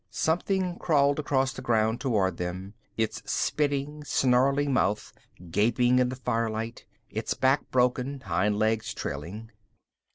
Something crawled across the ground toward them, its spitting, snarling mouth gaping in the firelight, its back broken, hind legs trailing.